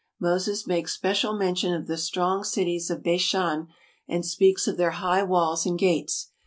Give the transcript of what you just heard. Moses makes special mention of the strong cities of Bashan, and speaks of their high walls and gates.